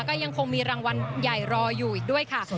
ก็ยังคงมีรางวัลใหญ่รออยู่อีกด้วยค่ะ